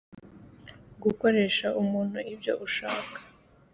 Gukoresha umuntu ibyo ushaka